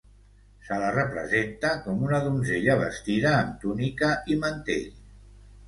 Se la representa com una donzella vestida amb túnica i mantell.